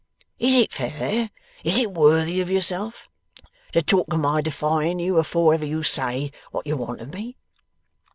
Is it fair, is it worthy of yourself, to talk of my defying you afore ever you say what you want of me?